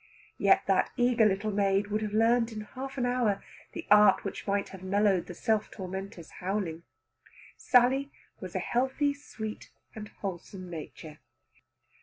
Yet that eager little maid would have learned in half an hour the art which might have mellowed the self tormentor's howling. Sally's was a healthy, sweet, and wholesome nature.